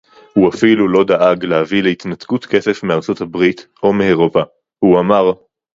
הוא אפילו לא דאג להביא להתנתקות כסף מארצות-הברית או מאירופה; הוא אמר